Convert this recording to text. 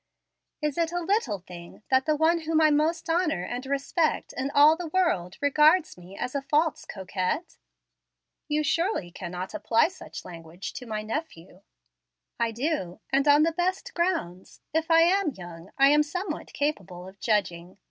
"Is it a little thing that the one whom I most honor and respect in all the world regards me as a false coquette?" "You surely cannot apply such language to my nephew?" "I do; and on the best grounds. If I am young, I am somewhat capable of judging.